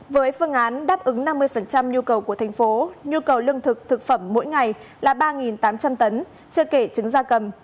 với phương án đáp ứng năm mươi nhu cầu của thành phố nhu cầu lương thực thực phẩm mỗi ngày là ba tám trăm linh tấn chưa kể trứng gia cầm